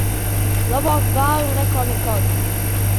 Labāk vēlu nekā nekad.